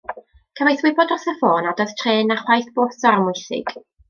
Cefais wybod dros y ffôn nad oedd trên na chwaith bws o'r Amwythig.